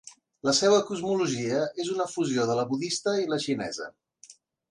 La seua cosmologia és una fusió de la budista i la xinesa.